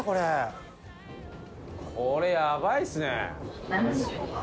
これやばいっすね。